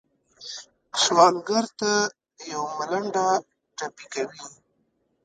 سوالګر ته یو ملنډه ټپي کوي